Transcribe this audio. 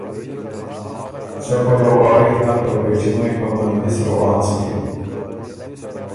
سۀ پلؤ آړِخ نر په پېچُمئ په مندلِس روان سُکِن۔